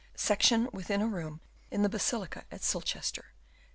Section within a room in the Basilica at Silchester.